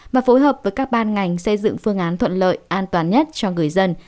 và phối hợp với các ban ngành xây dựng phương án thuận lợi an toàn nhất cho người dân